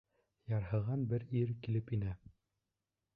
Ярһыған бер ир килеп инә.